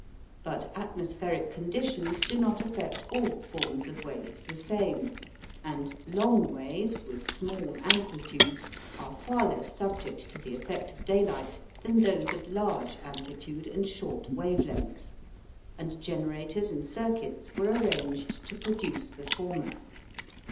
But atmospheric conditions do not affect all forms of waves the same, and long waves with small amplitudes are far less subject to the effect of daylight than those of large amplitude and short wave length, and generators and circuits were arranged to produce the former.